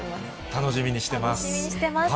楽しみにしています。